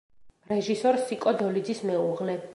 რეჟისორ სიკო დოლიძის მეუღლე.